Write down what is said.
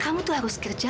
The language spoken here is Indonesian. kamu tuh harus kerja